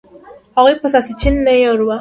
هغوی به ساسچن نه یراو.